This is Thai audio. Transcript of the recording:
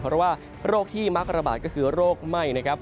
เพราะว่าโรคที่มักระบาดก็คือโรคไหม้นะครับ